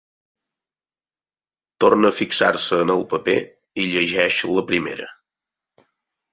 Torna a fixar-se en el paper i llegeix la primera.